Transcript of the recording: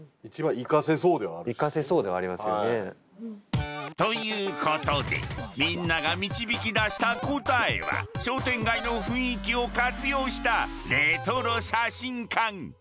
生かせそうではありますよね。ということでみんなが導き出した答えは商店街の雰囲気を活用したレトロ写真館！